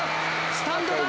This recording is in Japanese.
スタンドだ！